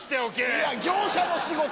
いや業者の仕事。